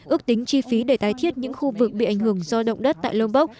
ước tính chi phí để tái thiết những khu vực bị ảnh hưởng do động đất tại lonbok